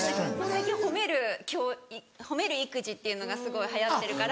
最近褒める褒める育児っていうのがすごい流行ってるから。